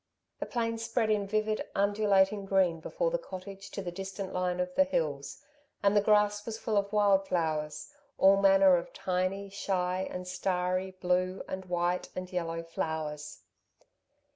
The plains spread in vivid, undulating green before the cottage to the distant line of the hills, and the grass was full of wild flowers, all manner of tiny, shy, and starry, blue, and white, and yellow flowers.